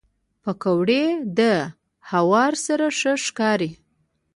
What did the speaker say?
پکورې له هوار سره ښه ښکاري